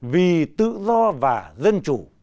vì tự do và dân chủ